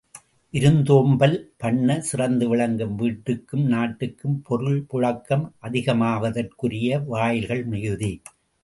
விருந்தோம்பல் பண்பு சிறந்து விளங்கும் வீட்டுக்கும் நாட்டுக்கும், பொருள் புழக்கம் அதிகமாவதற்குரிய வாயில்கள் மிகுதி.